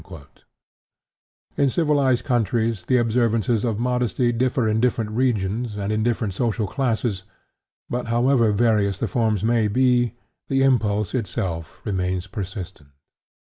" In civilized countries the observances of modesty differ in different regions, and in different social classes, but, however various the forms may be, the impulse itself remains persistent.